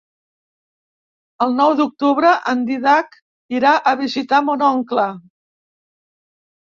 El nou d'octubre en Dídac irà a visitar mon oncle.